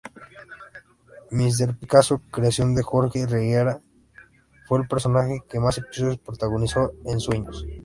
Mr.Picasso, creación de Jorge Riera, fue el personaje que más episodios protagonizó en "Sueños".